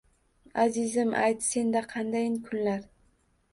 Azizim, ayt, Senda qandayin kunlar?